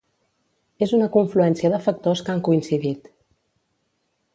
És una confluència de factors que han coincidit.